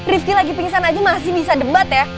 rizky lagi pingsan aja masih bisa debat ya